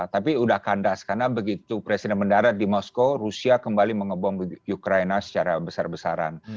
tapi sudah kandas karena begitu presiden mendarat di moskow rusia kembali mengebom ukraina secara besar besaran